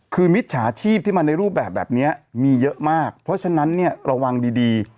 คือมิจฉาชีพที่มาในรูปแบบแบบนี้มีเยอะมากเพราะฉะนั้นเนี่ยระวังดี